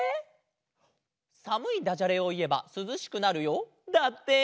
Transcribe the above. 「さむいダジャレをいえばすずしくなるよ」だって！